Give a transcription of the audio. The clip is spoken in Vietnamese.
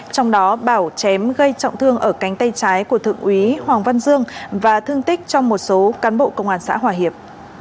trong đó bảo chém gây trọng thương ở cánh tay trái của thượng úy hoàng văn dương và thương tích cho một số cán bộ công an xã hòa hiệp